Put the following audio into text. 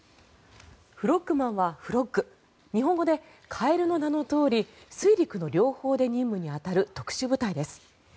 フロッグマンはフロッグ日本語でカエルの名のとおり水陸の両方で任務に当たる特殊部隊です。